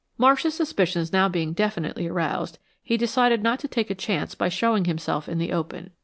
Marsh's suspicions being now definitely aroused, he decided not to take a chance by showing himself in the open.